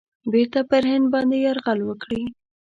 بیرته پر هند باندي یرغل وکړي.